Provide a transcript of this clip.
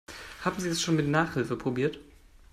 Haben Sie es schon mit Nachhilfe probiert?